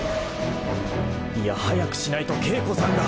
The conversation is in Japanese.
いやっ早くしないと景子さんが